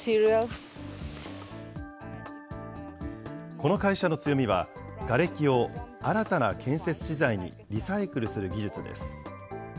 この会社の強みは、がれきを新たな建設資材にリサイクルする技術です。